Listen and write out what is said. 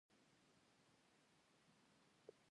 ازادي راډیو د حیوان ساتنه په اړه ښوونیز پروګرامونه خپاره کړي.